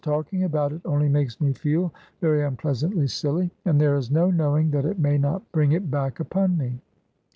Talking about it only makes me feel very unpleasantly silly, and there is no knowing that it may not bring it back upon me."